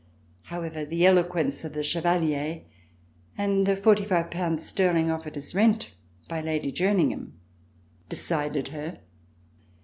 However, the eloquence of the Chevalier and the forty five pounds sterling offered as rent by Lady Jerningham decided her.